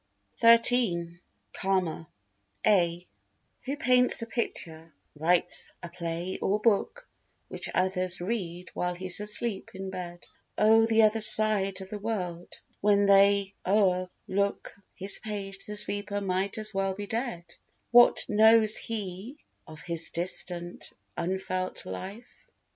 xiii—Karma (A) Who paints a picture, writes a play or book Which others read while he's asleep in bed O' the other side of the world—when they o'erlook His page the sleeper might as well be dead; What knows he of his distant unfelt life?